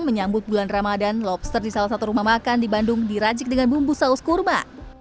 menyambut bulan ramadan lobster di salah satu rumah makan di bandung diracik dengan bumbu saus kurma